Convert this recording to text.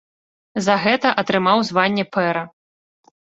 За гэта атрымаў званне пэра.